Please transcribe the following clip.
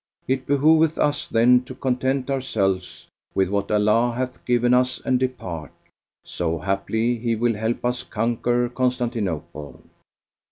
It behoveth us, then, to content ourselves with what Allah hath given us and depart; so haply He will help us conquer Constantinople."